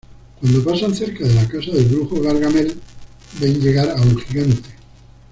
Cuando pasan cerca de la casa del brujo Gargamel, ven llegar a un gigante.